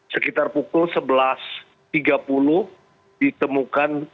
sekitar pukul sebelas tiga puluh ditemukan